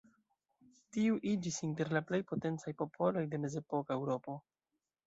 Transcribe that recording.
Tiu iĝis inter la plej potencaj popoloj de mezepoka Eŭropo.